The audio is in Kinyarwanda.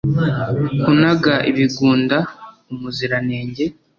Kunaga ibigunda umuziranenge